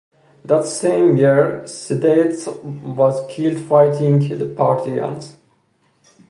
That same year Sidetes was killed fighting the Parthians.